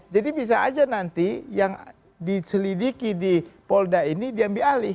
jadi bisa saja nanti yang diselidiki di polda ini diambil alih